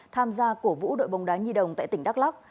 tham gia cổ vũ đội bóng đá nhi đồng tại tỉnh đắk lắc